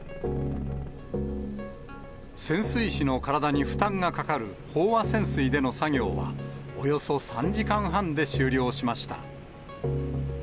潜水士の体に負担がかかる飽和潜水での作業は、およそ３時間半で終了しました。